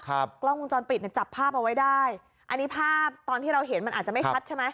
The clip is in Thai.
กล้องวงจรปิดเนี่ยจับภาพเอาไว้ได้อันนี้ภาพตอนที่เราเห็นมันอาจจะไม่ชัดใช่ไหม